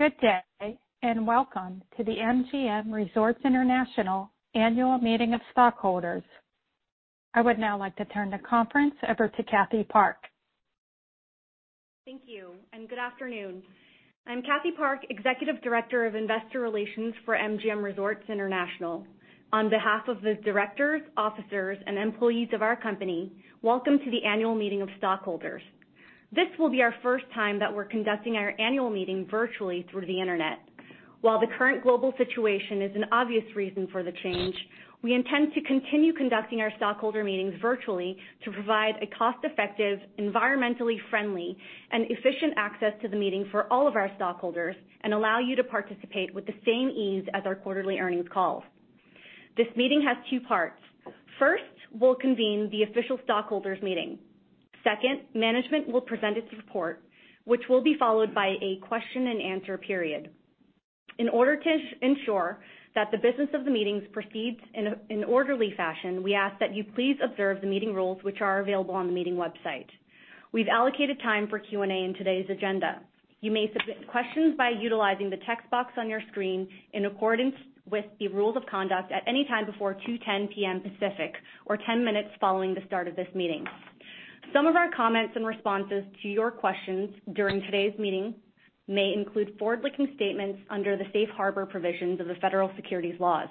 Good day, and welcome to the MGM Resorts International Annual Meeting of Stockholders. I would now like to turn the conference over to Kathy Park. Thank you, and good afternoon. I'm Kathy Park, Executive Director of Investor Relations for MGM Resorts International. On behalf of the directors, officers, and employees of our company, welcome to the annual meeting of stockholders. This will be our first time that we're conducting our annual meeting virtually through the Internet. While the current global situation is an obvious reason for the change, we intend to continue conducting our stockholder meetings virtually to provide a cost-effective, environmentally friendly, and efficient access to the meeting for all of our stockholders and allow you to participate with the same ease as our quarterly earnings calls. This meeting has two parts. First, we'll convene the official stockholders meeting. Second, management will present its report, which will be followed by a question-and-answer period. In order to ensure that the business of the meetings proceeds in an orderly fashion, we ask that you please observe the meeting rules which are available on the meeting website. We've allocated time for Q&A in today's agenda. You may submit questions by utilizing the text box on your screen in accordance with the rules of conduct at any time before 2:10 P.M. Pacific, or 10 minutes following the start of this meeting. Some of our comments and responses to your questions during today's meeting may include forward-looking statements under the safe harbor provisions of the federal securities laws.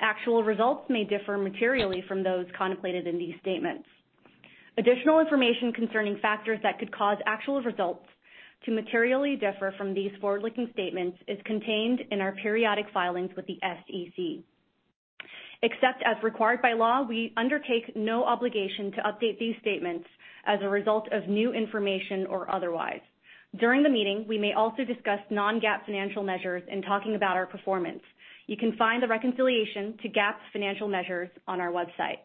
Actual results may differ materially from those contemplated in these statements. Additional information concerning factors that could cause actual results to materially differ from these forward-looking statements is contained in our periodic filings with the SEC. Except as required by law, we undertake no obligation to update these statements as a result of new information or otherwise. During the meeting, we may also discuss non-GAAP financial measures in talking about our performance. You can find the reconciliation to GAAP financial measures on our website.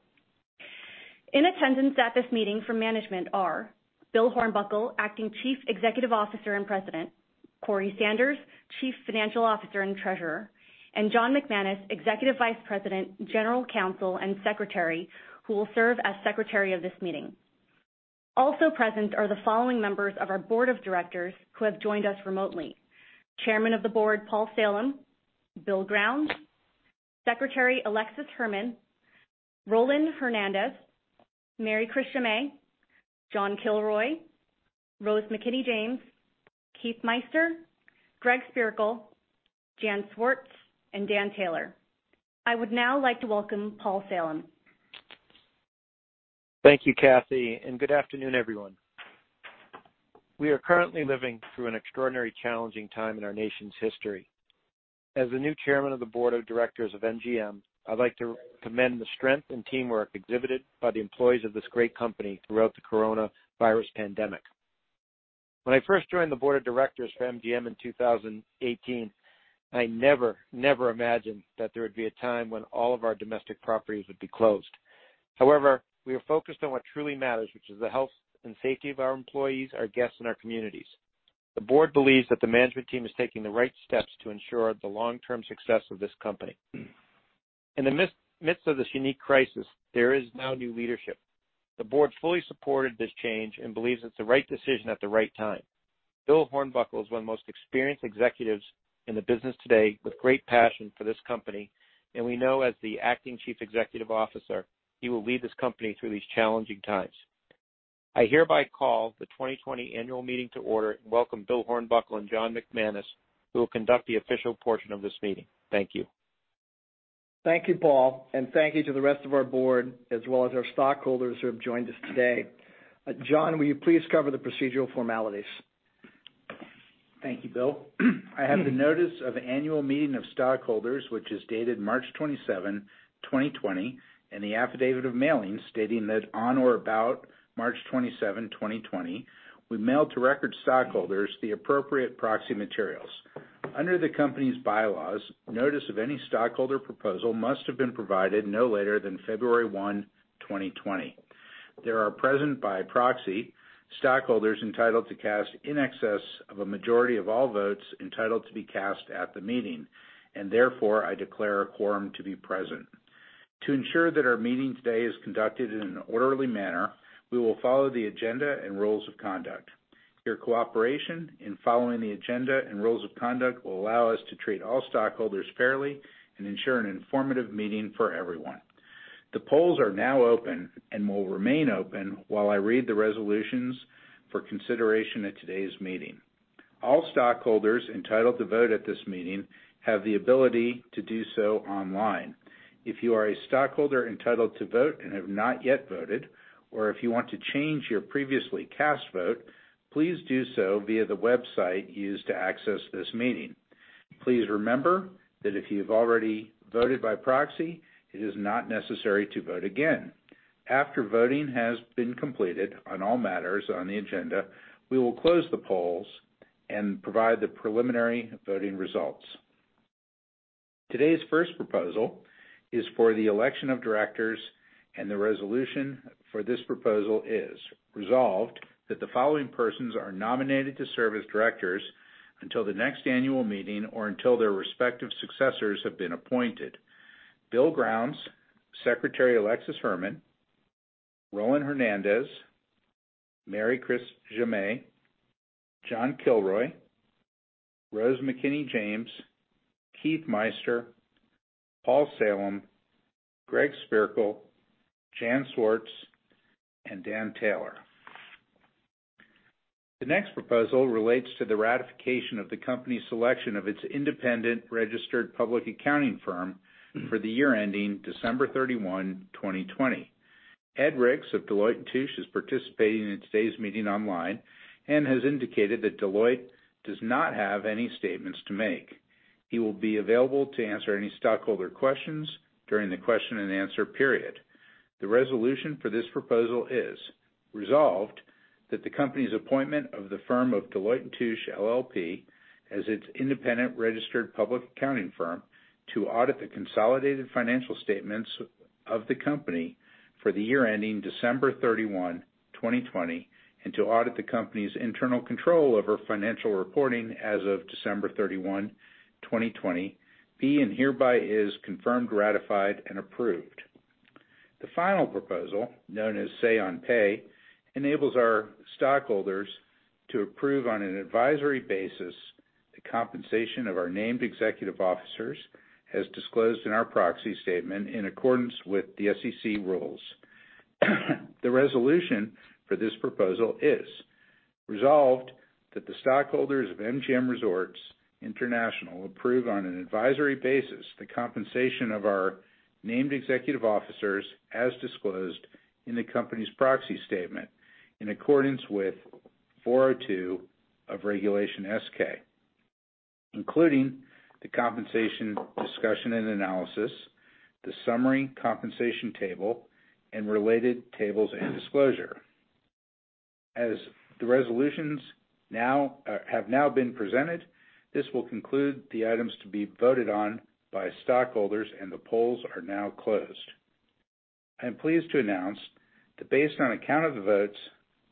In attendance at this meeting for management are Bill Hornbuckle, Acting Chief Executive Officer and President, Corey Sanders, Chief Financial Officer and Treasurer, and John McManus, Executive Vice President, General Counsel, and Secretary, who will serve as Secretary of this meeting. Also present are the following members of our Board of Directors who have joined us remotely: Chairman of the Board, Paul Salem, Bill Grounds, Secretary Alexis Herman, Roland Hernandez, Mary Chris Jammet, John Kilroy, Rose McKinney-James, Keith Meister, Greg Spierkel, Jan Swartz, and Dan Taylor. I would now like to welcome Paul Salem. Thank you, Kathy, and good afternoon, everyone. We are currently living through an extraordinary challenging time in our nation's history. As the new Chairman of the Board of Directors of MGM, I'd like to commend the strength and teamwork exhibited by the employees of this great company throughout the coronavirus pandemic. When I first joined the Board of Directors for MGM in 2018, I never imagined that there would be a time when all of our domestic properties would be closed. However, we are focused on what truly matters, which is the health and safety of our employees, our guests, and our communities. The board believes that the management team is taking the right steps to ensure the long-term success of this company. In the midst of this unique crisis, there is now new leadership. The board fully supported this change and believes it's the right decision at the right time. Bill Hornbuckle is one of the most experienced executives in the business today with great passion for this company. We know as the Acting Chief Executive Officer, he will lead this company through these challenging times. I hereby call the 2020 annual meeting to order and welcome Bill Hornbuckle and John McManus, who will conduct the official portion of this meeting. Thank you. Thank you, Paul, and thank you to the rest of our board as well as our stockholders who have joined us today. John, will you please cover the procedural formalities? Thank you, Bill. I have the notice of annual meeting of stockholders, which is dated March 27, 2020, and the affidavit of mailing stating that on or about March 27, 2020, we mailed to record stockholders the appropriate proxy materials. Under the company's bylaws, notice of any stockholder proposal must have been provided no later than February 1, 2020. There are present by proxy, stockholders entitled to cast in excess of a majority of all votes entitled to be cast at the meeting, and therefore, I declare a quorum to be present. To ensure that our meeting today is conducted in an orderly manner, we will follow the agenda and rules of conduct. Your cooperation in following the agenda and rules of conduct will allow us to treat all stockholders fairly and ensure an informative meeting for everyone. The polls are now open and will remain open while I read the resolutions for consideration at today's meeting. All stockholders entitled to vote at this meeting have the ability to do so online. If you are a stockholder entitled to vote and have not yet voted, or if you want to change your previously cast vote, please do so via the website used to access this meeting. Please remember that if you've already voted by proxy, it is not necessary to vote again. After voting has been completed on all matters on the agenda, we will close the polls and provide the preliminary voting results. Today's first proposal is for the election of directors and the resolution for this proposal is resolved that the following persons are nominated to serve as directors until the next annual meeting or until their respective successors have been appointed. Bill Grounds, Secretary Alexis Herman, Roland Hernandez, Mary Chris Jammet, John Kilroy, Rose McKinney-James, Keith Meister, Paul Salem, Greg Spierkel, Jan Swartz, and Dan Taylor. The next proposal relates to the ratification of the company’s selection of its independent registered public accounting firm for the year ending December 31, 2020. Ed Ricks of Deloitte & Touche is participating in today’s meeting online and has indicated that Deloitte does not have any statements to make. He will be available to answer any stockholder questions during the question-and-answer period. The resolution for this proposal is resolved that the company’s appointment of the firm of Deloitte & Touche LLP as its independent registered public accounting firm to audit the consolidated financial statements of the company for the year ending December 31, 2020, and to audit the company’s internal control over financial reporting as of December 31, 2020, be and hereby is confirmed, ratified, and approved. The final proposal, known as Say on Pay, enables our stockholders to approve on an advisory basis the compensation of our named executive officers as disclosed in our proxy statement in accordance with the SEC rules. The resolution for this proposal is resolved that the stockholders of MGM Resorts International approve on an advisory basis the compensation of our named executive officers as disclosed in the company’s proxy statement in accordance with 402 of Regulation S-K, including the compensation discussion and analysis, the summary compensation table, and related tables and disclosure. As the resolutions have now been presented, this will conclude the items to be voted on by stockholders and the polls are now closed. I am pleased to announce that based on a count of the votes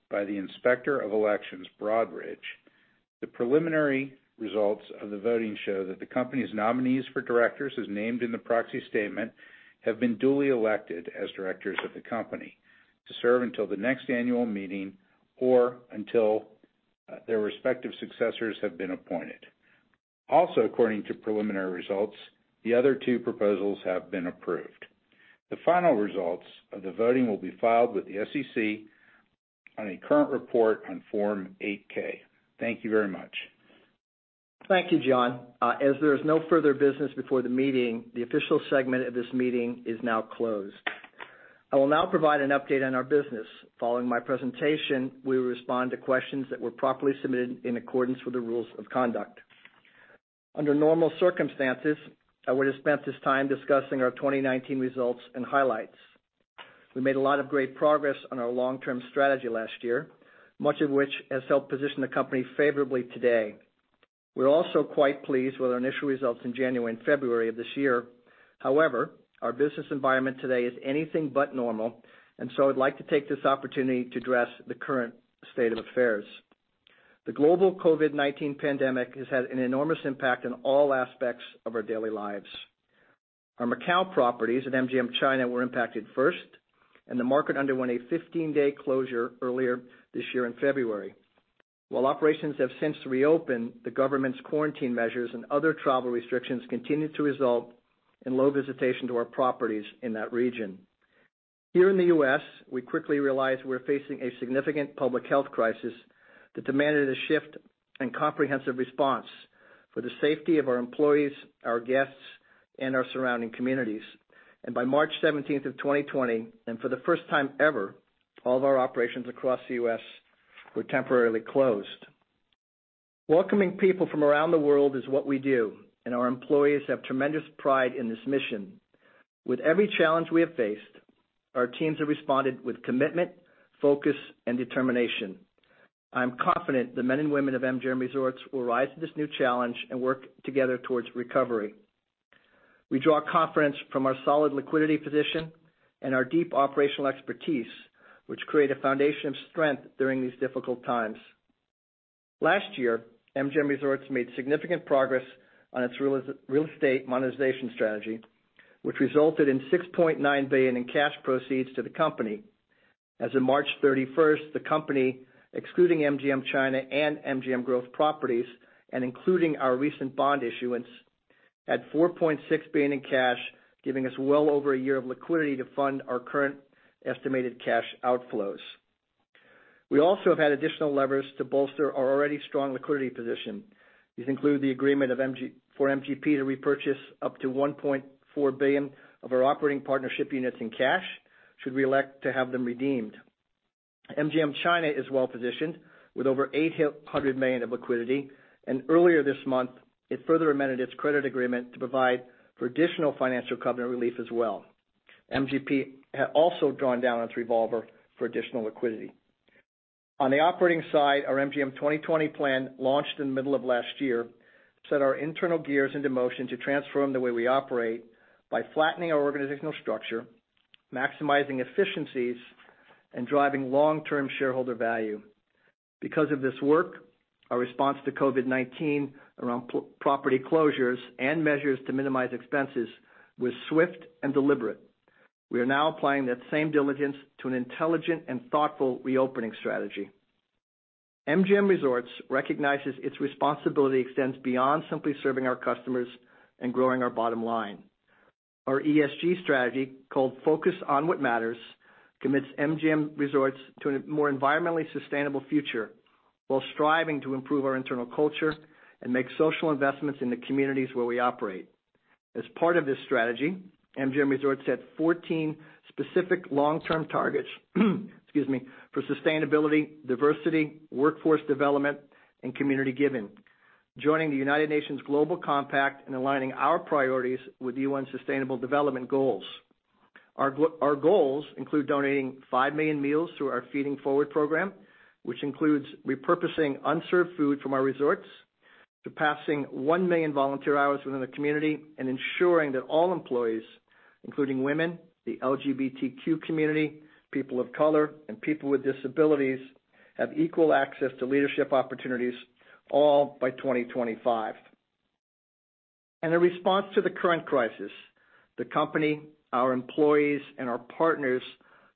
by the Inspector of Elections, Broadridge, the preliminary results of the voting show that the company’s nominees for directors, as named in the proxy statement, have been duly elected as directors of the company to serve until the next annual meeting or until their respective successors have been appointed. Also according to preliminary results, the other two proposals have been approved. The final results of the voting will be filed with the SEC on a current report on Form 8-K. Thank you very much. Thank you, John. As there is no further business before the meeting, the official segment of this meeting is now closed. I will now provide an update on our business. Following my presentation, we will respond to questions that were properly submitted in accordance with the rules of conduct. Under normal circumstances, I would have spent this time discussing our 2019 results and highlights. We made a lot of great progress on our long-term strategy last year, much of which has helped position the company favorably today. We’re also quite pleased with our initial results in January and February of this year. However, our business environment today is anything but normal, and so I’d like to take this opportunity to address the current state of affairs. The global COVID-19 pandemic has had an enormous impact on all aspects of our daily lives. Our Macau properties at MGM China were impacted first, and the market underwent a 15-day closure earlier this year in February. While operations have since reopened, the government’s quarantine measures and other travel restrictions continue to result in low visitation to our properties in that region. Here in the U.S., we quickly realized we’re facing a significant public health crisis that demanded a shift and comprehensive response for the safety of our employees, our guests, and our surrounding communities. By March 17th of 2020, and for the first time ever, all of our operations across the U.S. were temporarily closed. Welcoming people from around the world is what we do, and our employees have tremendous pride in this mission. With every challenge we have faced, our teams have responded with commitment, focus, and determination. I’m confident the men and women of MGM Resorts will rise to this new challenge and work together towards recovery. We draw confidence from our solid liquidity position and our deep operational expertise, which create a foundation of strength during these difficult times. Last year, MGM Resorts made significant progress on its real estate monetization strategy, which resulted in $6.9 billion in cash proceeds to the company. As of March 31st, the company, excluding MGM China and MGM Growth Properties, and including our recent bond issuance, had $4.6 billion in cash, giving us well over one year of liquidity to fund our current estimated cash outflows. We also have had additional levers to bolster our already strong liquidity position. These include the agreement for MGP to repurchase up to $1.4 billion of our operating partnership units in cash should we elect to have them redeemed. MGM China is well-positioned with over $800 million of liquidity, and earlier this month, it further amended its credit agreement to provide for additional financial covenant relief as well. MGP had also drawn down its revolver for additional liquidity. On the operating side, our MGM 2020 plan, launched in the middle of last year, set our internal gears into motion to transform the way we operate by flattening our organizational structure, maximizing efficiencies, and driving long-term shareholder value. Because of this work, our response to COVID-19 around property closures and measures to minimize expenses was swift and deliberate. We are now applying that same diligence to an intelligent and thoughtful reopening strategy. MGM Resorts recognizes its responsibility extends beyond simply serving our customers and growing our bottom line. Our ESG strategy, called Focused on What Matters, commits MGM Resorts to a more environmentally sustainable future while striving to improve our internal culture and make social investments in the communities where we operate. As part of this strategy, MGM Resorts set 14 specific long-term targets for sustainability, diversity, workforce development, and community giving. Joining the United Nations Global Compact and aligning our priorities with UN Sustainable Development Goals. Our goals include donating 5 million meals through our Feeding Forward program, which includes repurposing unserved food from our resorts, to passing 1 million volunteer hours within the community and ensuring that all employees, including women, the LGBTQ community, people of color, and people with disabilities, have equal access to leadership opportunities, all by 2025. In response to the current crisis, the company, our employees, and our partners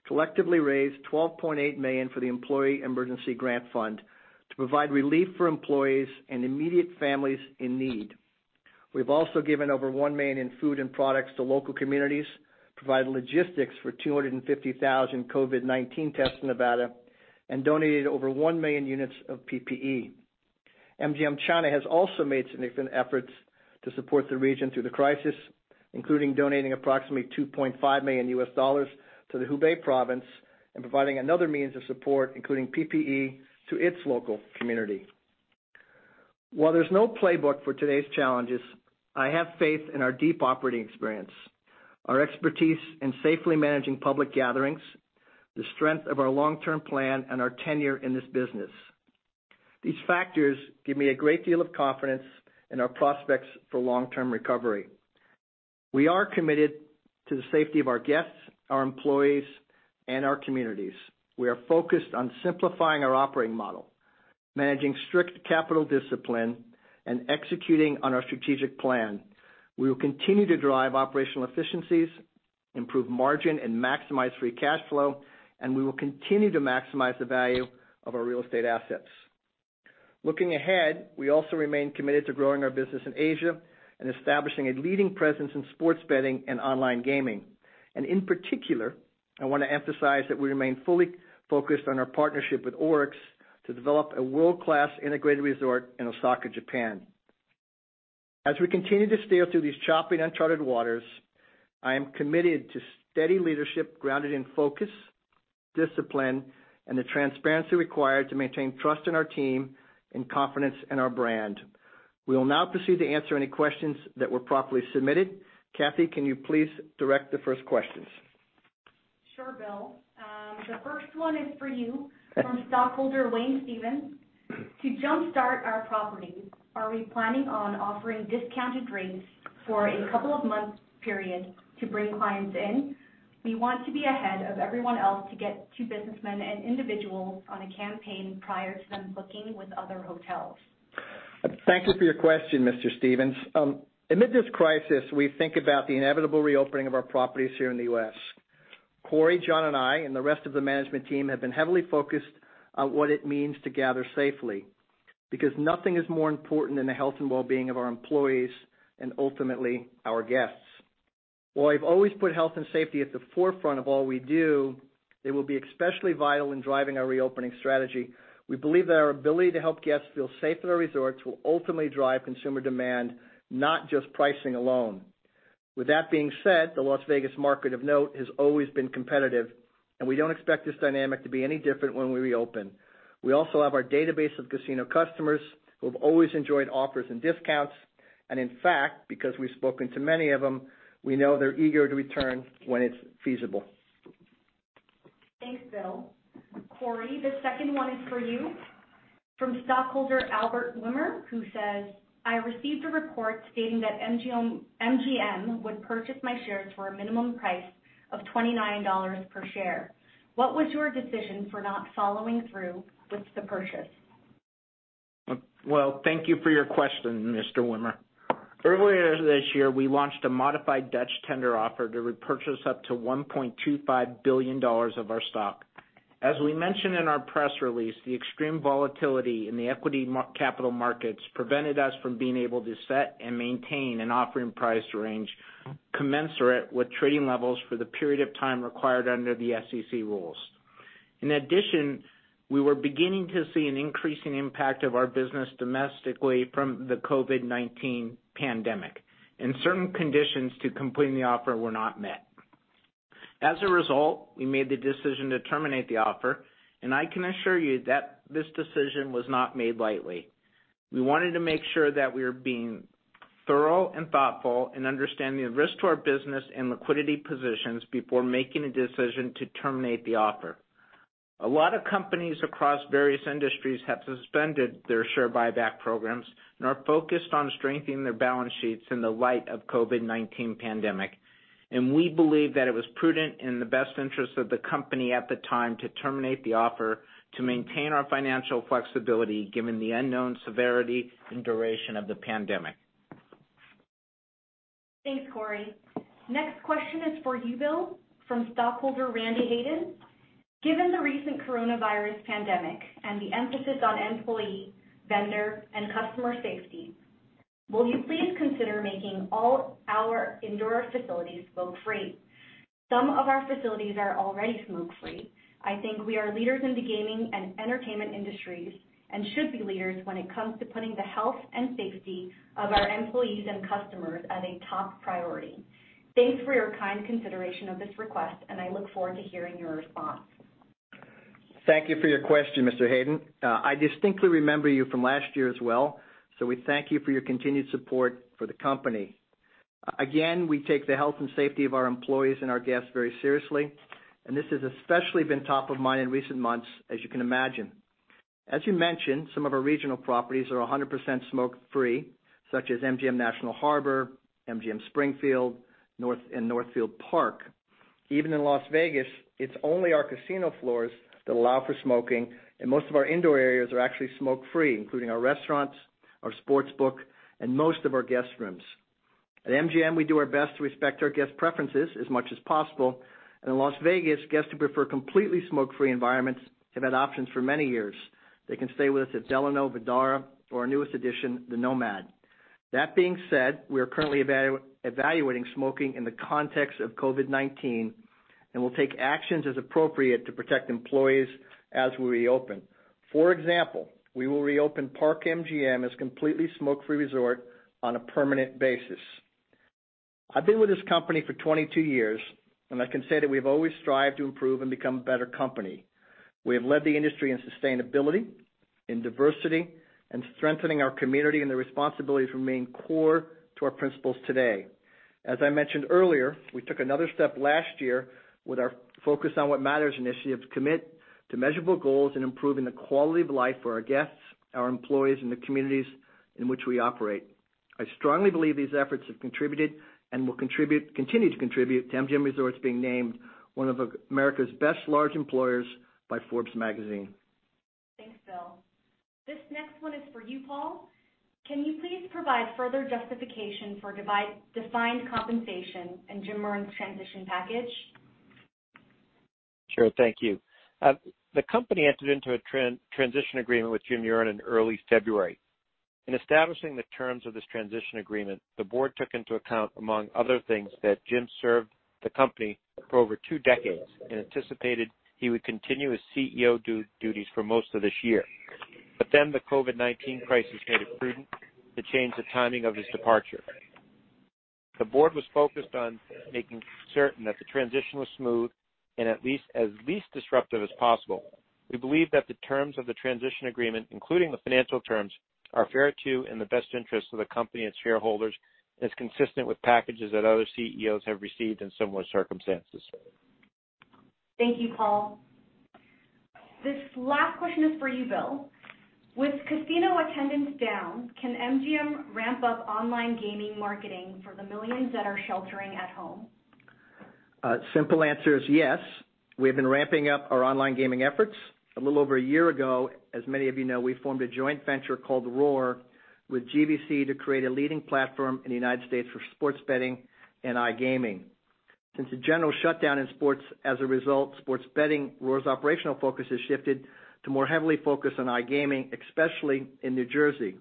collectively raised $12.8 million for the Employee Emergency Grant Fund to provide relief for employees and immediate families in need. We've also given over $1 million in food and products to local communities, provided logistics for 250,000 COVID-19 tests in Nevada, and donated over 1 million units of PPE. MGM China has also made significant efforts to support the region through the crisis, including donating approximately $2.5 million to the Hubei Province and providing another means of support, including PPE, to its local community. While there's no playbook for today's challenges, I have faith in our deep operating experience, our expertise in safely managing public gatherings, the strength of our long-term plan, and our tenure in this business. These factors give me a great deal of confidence in our prospects for long-term recovery. We are committed to the safety of our guests, our employees, and our communities. We are focused on simplifying our operating model, managing strict capital discipline, and executing on our strategic plan. We will continue to drive operational efficiencies, improve margin, and maximize free cash flow, and we will continue to maximize the value of our real estate assets. Looking ahead, we also remain committed to growing our business in Asia and establishing a leading presence in sports betting and online gaming. In particular, I want to emphasize that we remain fully focused on our partnership with ORIX to develop a world-class integrated resort in Osaka, Japan. As we continue to steer through these choppy and uncharted waters, I am committed to steady leadership grounded in focus, discipline, and the transparency required to maintain trust in our team and confidence in our brand. We will now proceed to answer any questions that were properly submitted. Kathy, can you please direct the first questions? Sure, Bill. The first one is for you from stockholder Wayne Stevens: To jumpstart our properties, are we planning on offering discounted rates for a couple of months period to bring clients in? We want to be ahead of everyone else to get to businessmen and individuals on a campaign prior to them booking with other hotels. Thank you for your question, Mr. Stevens. Amid this crisis, we think about the inevitable reopening of our properties here in the U.S. Corey, John, and I, and the rest of the management team have been heavily focused on what it means to gather safely, because nothing is more important than the health and well-being of our employees and ultimately our guests. While we've always put health and safety at the forefront of all we do, it will be especially vital in driving our reopening strategy. We believe that our ability to help guests feel safe in our resorts will ultimately drive consumer demand, not just pricing alone. With that being said, the Las Vegas market of note has always been competitive, and we don't expect this dynamic to be any different when we reopen. We also have our database of casino customers who have always enjoyed offers and discounts. In fact, because we've spoken to many of them, we know they're eager to return when it's feasible. Thanks, Bill. Corey, the second one is for you from stockholder Albert Wimmer, who says, "I received a report stating that MGM would purchase my shares for a minimum price of $29 per share. What was your decision for not following through with the purchase? Well, thank you for your question, Mr. Wimmer. Earlier this year, we launched a modified Dutch tender offer to repurchase up to $1.25 billion of our stock. As we mentioned in our press release, the extreme volatility in the equity capital markets prevented us from being able to set and maintain an offering price range commensurate with trading levels for the period of time required under the SEC rules. In addition, we were beginning to see an increasing impact of our business domestically from the COVID-19 pandemic, and certain conditions to completing the offer were not met. As a result, we made the decision to terminate the offer, and I can assure you that this decision was not made lightly. We wanted to make sure that we were being thorough and thoughtful in understanding the risk to our business and liquidity positions before making a decision to terminate the offer. A lot of companies across various industries have suspended their share buyback programs and are focused on strengthening their balance sheets in the light of COVID-19 pandemic. We believe that it was prudent in the best interest of the company at the time to terminate the offer to maintain our financial flexibility, given the unknown severity and duration of the pandemic. Thanks, Corey. Next question is for you, Bill, from stockholder Randy Hayden. Given the recent coronavirus pandemic and the emphasis on employee, vendor, and customer safety, will you please consider making all our indoor facilities smoke-free? Some of our facilities are already smoke-free. I think we are leaders in the gaming and entertainment industries and should be leaders when it comes to putting the health and safety of our employees and customers as a top priority. Thanks for your kind consideration of this request, and I look forward to hearing your response. Thank you for your question, Mr. Hayden. I distinctly remember you from last year as well, so we thank you for your continued support for the company. Again, we take the health and safety of our employees and our guests very seriously, and this has especially been top of mind in recent months, as you can imagine. As you mentioned, some of our regional properties are 100% smoke-free, such as MGM National Harbor, MGM Springfield, and Northfield Park. Even in Las Vegas, it's only our casino floors that allow for smoking and most of our indoor areas are actually smoke-free, including our restaurants, our sports book, and most of our guest rooms. At MGM, we do our best to respect our guests' preferences as much as possible, and in Las Vegas, guests who prefer completely smoke-free environments have had options for many years. They can stay with us at Delano, Vdara, or our newest addition, NoMad. That being said, we are currently evaluating smoking in the context of COVID-19, and we'll take actions as appropriate to protect employees as we reopen. For example, we will reopen Park MGM as a completely smoke-free resort on a permanent basis. I've been with this company for 22 years, and I can say that we've always strived to improve and become a better company. We have led the industry in sustainability, in diversity, and strengthening our community, and the responsibilities remain core to our principles today. As I mentioned earlier, we took another step last year with our Focused on What Matters initiatives commit to measurable goals in improving the quality of life for our guests, our employees, and the communities in which we operate. I strongly believe these efforts have contributed and will continue to contribute to MGM Resorts being named one of America's Best Large Employers by "Forbes" magazine. Thanks, Bill. This next one is for you, Paul. Can you please provide further justification for defined compensation in Jim Murren's transition package? Sure. Thank you. The company entered into a transition agreement with Jim Murren in early February. In establishing the terms of this transition agreement, the board took into account, among other things, that Jim served the company for over two decades and anticipated he would continue his CEO duties for most of this year. The COVID-19 crisis made it prudent to change the timing of his departure. The board was focused on making certain that the transition was smooth and as least disruptive as possible. We believe that the terms of the transition agreement, including the financial terms, are fair to and in the best interest of the company and shareholders and is consistent with packages that other CEOs have received in similar circumstances. Thank you, Paul. This last question is for you, Bill. With casino attendance down, can MGM ramp up online gaming marketing for the millions that are sheltering at home? Simple answer is yes. We have been ramping up our online gaming efforts. A little over a year ago, as many of you know, we formed a joint venture called ROAR with GVC to create a leading platform in the United States for sports betting and iGaming. Since the general shutdown in sports as a result, sports betting, ROAR's operational focus has shifted to more heavily focus on iGaming, especially in New Jersey.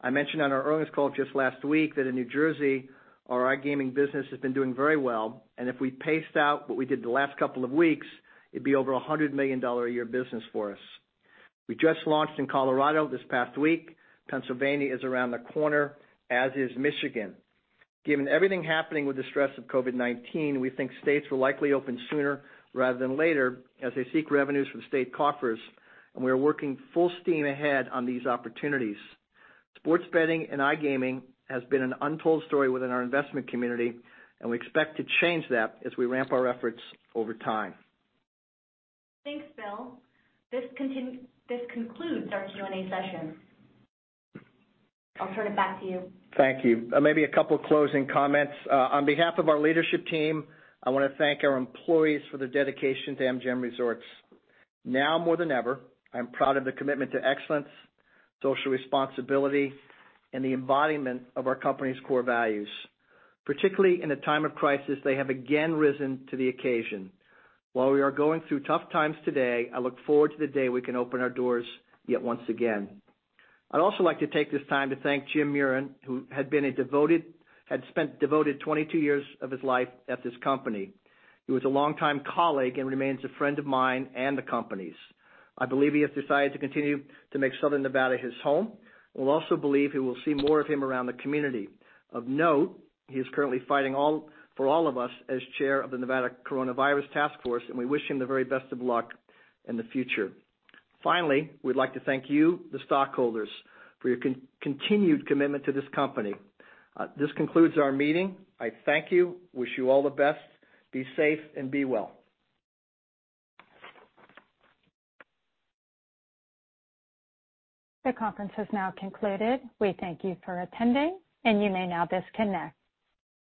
I mentioned on our earnings call just last week that in New Jersey, our iGaming business has been doing very well, and if we paced out what we did the last couple of weeks, it'd be over $100 million a year business for us. We just launched in Colorado this past week. Pennsylvania is around the corner, as is Michigan. Given everything happening with the stress of COVID-19, we think states will likely open sooner rather than later as they seek revenues from state coffers, and we are working full steam ahead on these opportunities. Sports betting and iGaming has been an untold story within our investment community, and we expect to change that as we ramp our efforts over time. Thanks, Bill. This concludes our Q&A session. I'll turn it back to you. Thank you. Maybe a couple of closing comments. On behalf of our leadership team, I want to thank our employees for their dedication to MGM Resorts. Now more than ever, I'm proud of the commitment to excellence, social responsibility, and the embodiment of our company's core values. Particularly in a time of crisis, they have again risen to the occasion. While we are going through tough times today, I look forward to the day we can open our doors yet once again. I'd also like to take this time to thank Jim Murren, who had spent devoted 22 years of his life at this company. He was a longtime colleague and remains a friend of mine and the company's. I believe he has decided to continue to make Southern Nevada his home, and we'll also believe we will see more of him around the community. Of note, he is currently fighting for all of us as Chair of the Nevada Coronavirus Task Force, and we wish him the very best of luck in the future. Finally, we'd like to thank you, the stockholders, for your continued commitment to this company. This concludes our meeting. I thank you, wish you all the best. Be safe and be well. The conference has now concluded. We thank you for attending, and you may now disconnect.